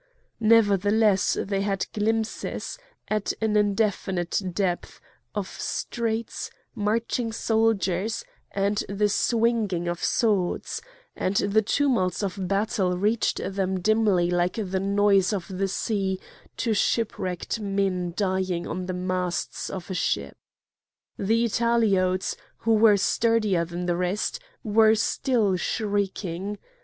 Nevertheless they had glimpses, at an infinite depth, of streets, marching soldiers, and the swinging of swords; and the tumult of battle reached them dimly like the noise of the sea to shipwrecked men dying on the masts of a ship. The Italiotes, who were sturdier than the rest, were still shrieking.